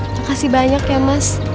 makasih banyak ya mas